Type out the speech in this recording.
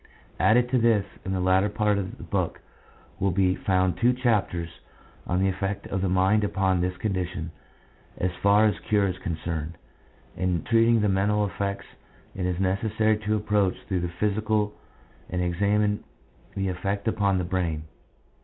Added to this, in the latter part of the book will be found two chapters on the effect of the mind upon this condition as far as cure is concerned. In treat ing the mental effects it is necessary to approach through the physical and examine the effect upon the brain.